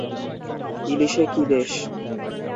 ইলিশে কি দেশ?